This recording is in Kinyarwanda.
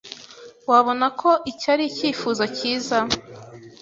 Wabona ko iki ari icyifuzo cyiza?